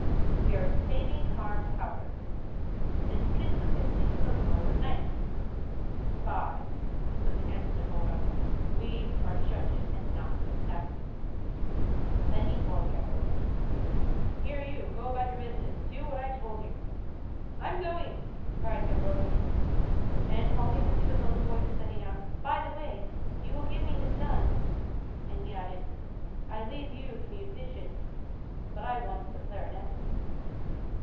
"We are saving our powder." "Then finish the business with a blow from a knife." "Spy," said the handsome Enjolras, "we are judges and not assassins." Then he called Gavroche:— "Here you! go about your business! Do what I told you!" "I'm going!" cried Gavroche. And halting as he was on the point of setting out:— "By the way, you will give me his gun!" and he added: "I leave you the musician, but I want the clarinet."